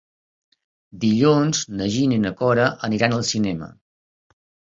Dilluns na Gina i na Cora aniran al cinema.